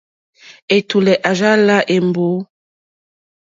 Ɛ̀tùlɛ̀ à rzá lā èmbǒ.